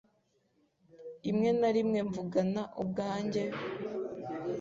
imwe na rimwe mvugana ubwanjye,